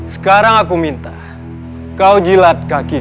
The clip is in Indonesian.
sekarang aku minta kau jilat kaki